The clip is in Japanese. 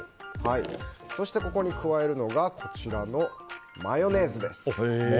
そして、ここに加えるのがこちらのマヨネーズです。